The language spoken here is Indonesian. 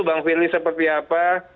bang firly seperti apa